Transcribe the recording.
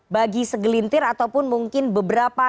bagi segelintir ataupun mungkin beberapa